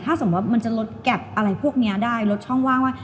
ถ้าสมมุติมันจะลดแก๊ปอะไรพวกนี้ได้ลดช่องว่างว่า